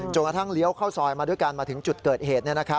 กระทั่งเลี้ยวเข้าซอยมาด้วยกันมาถึงจุดเกิดเหตุ